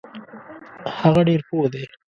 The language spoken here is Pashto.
هغه ډیر پوه دی.